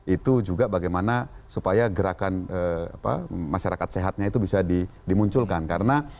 itu juga bagaimana supaya gerakan masyarakat sehatnya itu bisa dimunculkan karena